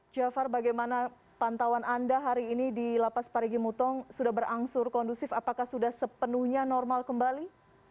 jafar bagaimana pantauan anda hari ini di lapas parigi mutong sudah berangsur kondusif apakah sudah sepenuhnya normal kembali